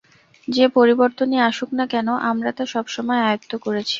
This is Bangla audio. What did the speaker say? যে পরিবর্তনই আসুক না কেন আমরা তা সবসময় আয়ত্ত করেছি।